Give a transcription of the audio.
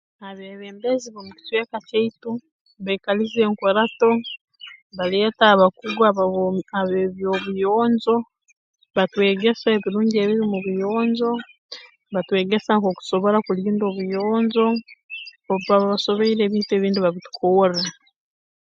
Abeebembezi b'omu kicweka kyaitu baikaliza enkurato baleeta abakugu ab ab'eby'obuyonjo batwegesa ebirungi ebiri mu buyonjo batwegesa nk'oku tusobora kulinda obuyonjo obu baaba basoboire ebintu ebindi babitukorra